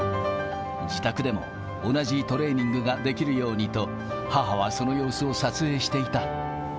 自宅でも同じトレーニングができるようにと、母はその様子を撮影していた。